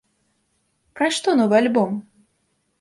Пра што новы альбом?